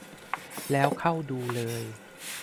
แล้วเข้าดูเลย